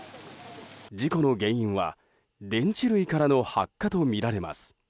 事故の原因は電池類からの発火とみられます。